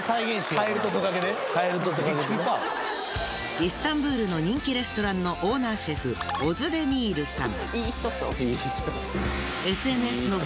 イスタンブールの人気レストランのオーナーシェフオズデミールさん。